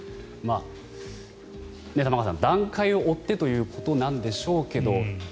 玉川さん、段階を追ってということなんでしょうけど。